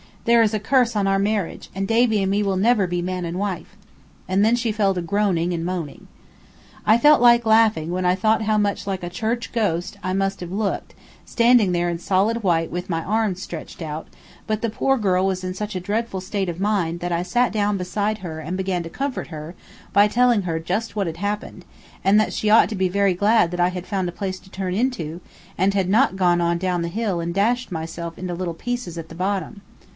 There is a curse on our marriage, and Davy and me will never be man and wife." And then she fell to groaning and moaning. I felt like laughing when I thought how much like a church ghost I must have looked, standing there in solid white with my arms stretched out; but the poor girl was in such a dreadful state of mind that I sat down beside her and began to comfort her by telling her just what had happened, and that she ought to be very glad that I had found a place to turn into, and had not gone on down the hill and dashed myself into little pieces at the bottom.